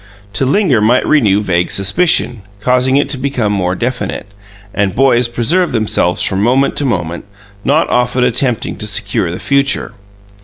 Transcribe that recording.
To linger might renew vague suspicion, causing it to become more definite; and boys preserve themselves from moment to moment, not often attempting to secure the future.